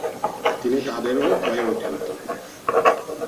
তিনি তাদেরও হয়ে ওঠেন।